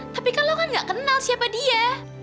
tapi kan lo kan gak kenal siapa dia